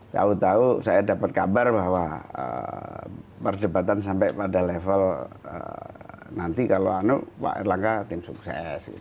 tahu tahu saya dapat kabar bahwa perdebatan sampai pada level nanti kalau pak erlangga tim sukses